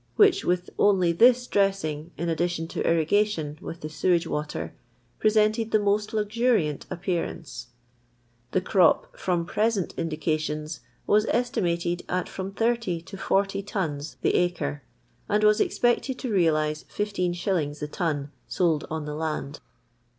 which with only this dressing in addition to irri gation with the sewage water presented the m:*: luxuriant appearance. Ihe crop, from prei^nt indications, was estimated at from 30 to 40 trus the acre, and was expected to realize 15ji. the ton sold on the land.